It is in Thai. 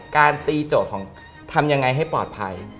การตีโจทย์ของทำยังไงให้ปลอดภัย